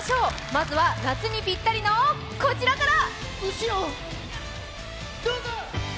まずは夏にぴったりのこちらから。